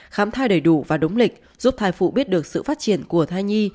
khám thai đầy đủ và đúng lịch giúp thai phụ biết được sự phát triển của thai nhi